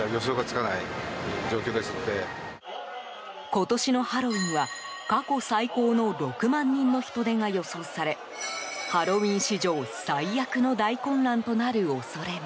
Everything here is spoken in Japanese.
今年のハロウィーンは過去最高の６万人の人出が予想されハロウィーン史上最悪の大混乱となる恐れも。